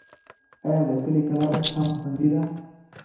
آیا د کلي کلا اوس هم خوندي ده؟